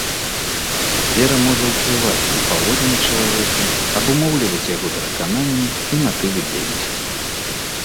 Вера можа ўплываць на паводзіны чалавека, абумоўліваць яго перакананні і матывы дзейнасці.